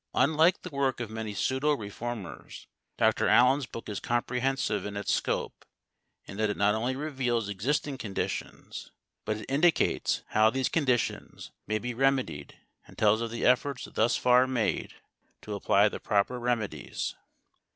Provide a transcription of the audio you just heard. Unlike the work of many pseudo reformers, Dr. Allen's book is comprehensive in its scope in that it not only reveals existing conditions, but it indicates how these conditions may be remedied and tells of the efforts thus far made to apply the proper remedies.